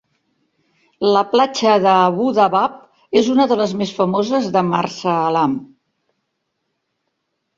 La platja d'Abu Dabab és una de les més famoses de Marsa Alam.